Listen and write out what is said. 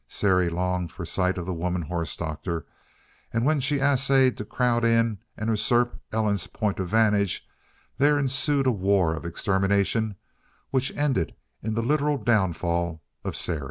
Sary longed for sight of the woman horse doctor, and when she essayed to crowd in and usurp Ellen's point of vantage, there ensued a war of extermination which ended in the literal downfall of Sary.